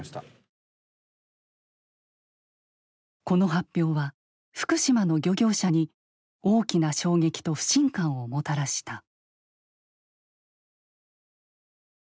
この発表は福島の漁業者に大きな衝撃と不信感をもたらした。